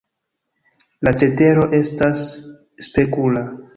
La cetero estas spekula.